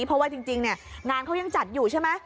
เพราะว่าจริงงานเขายังจัดอยู่ใช่ไหม